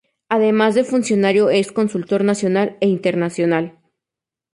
Además de funcionario es consultor nacional e internacional.